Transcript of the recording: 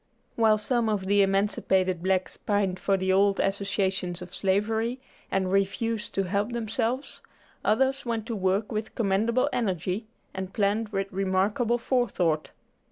While some of the emancipated blacks pined for the old associations of slavery, and refused to help themselves, others went to work with commendable energy, and planned with remarkable forethought.